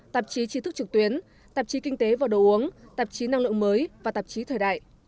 tạp chí trí thức trực tuyến tạp chí kinh tế và đồ uống tạp chí năng lượng mới và tạp chí thời đại